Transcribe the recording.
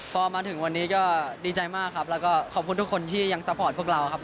พอมาถึงวันนี้ก็ดีใจมากครับแล้วก็ขอบคุณทุกคนที่ยังซัพพอร์ตพวกเราครับ